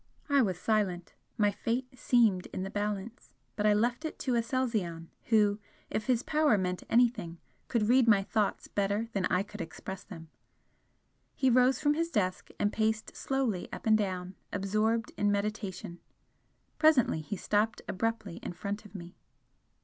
I was silent. My fate seemed in a balance, but I left it to Aselzion, who, if his power meant anything, could read my thoughts better than I could express them. He rose from his desk and paced slowly up and down, absorbed in meditation. Presently he stopped abruptly in front of me.